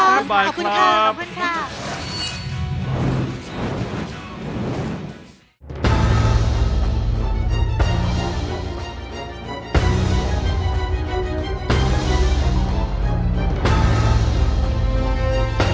โปรดติดตามตอนต่อไป